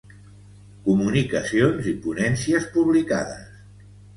Comunicacions i ponències publicades.